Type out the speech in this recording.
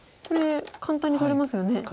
これ簡単に取れますよね。